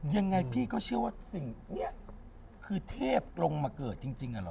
ยังไงพี่ก็เชื่อว่าสิ่งนี้คือเทพลงมาเกิดจริงอ่ะเหรอ